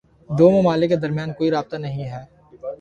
دو ممالک کے درمیان کوئی رابطہ نہیں ہے